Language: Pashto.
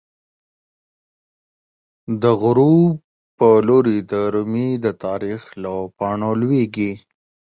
د غروب په لوری د رومی، د تاریخ له پاڼو لویزی